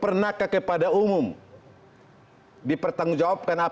pernahkah kepada umum dipertanggungjawabkan apakah dia sudah pernah diperiksa oleh ketahuiwala umum